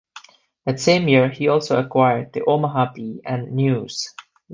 That same year he also acquired the "Omaha Bee" and "News".